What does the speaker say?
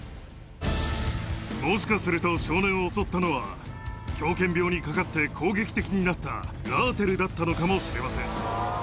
もしかすると、少年を襲ったのは、狂犬病にかかって攻撃的になったラーテルだったのかもしれません。